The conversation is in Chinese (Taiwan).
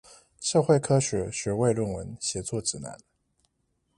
社會科學學位論文寫作指南